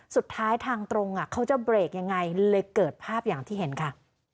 สุดท้ายทางตรงเขาจะเบรกยังไงเลยเกิดภาพอย่างที่เห็นค่ะ